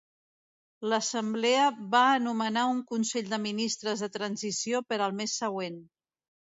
L'Assemblea va anomenar un consell de ministres de transició per al mes següent.